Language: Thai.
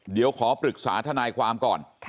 เดี๋ยวขอปรึกษาทนายความก่อน